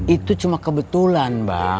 itu cuma kebetulan bang